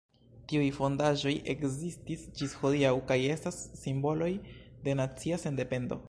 Tiuj fondaĵoj ekzistis ĝis hodiaŭ kaj estas simboloj de nacia sendependo.